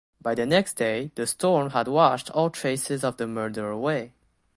By the next day the storm had washed all traces of the murder away.